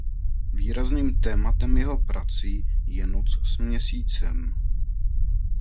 Výrazným tématem jeho prací je noc s měsícem.